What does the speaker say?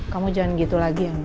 kamu jangan gitu lagi yang